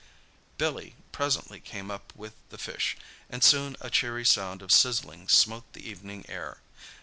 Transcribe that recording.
Billy presently came up with the fish, and soon a cheery sound of sizzling smote the evening air.